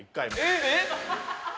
えっ！？